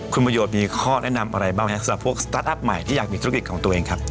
คุณประโยชน์มีข้อแนะนำอะไรบ้างฮะสำหรับพวกใหม่ที่อยากมีธุรกิจของตัวเองครับ